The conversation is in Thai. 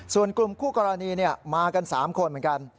ส่วนกลุ่มคู่กรณีมากัน๓คนเหมือนกัน